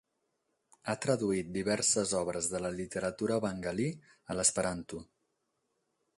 Ha traduït diverses obres de la literatura bengalí a l'esperanto.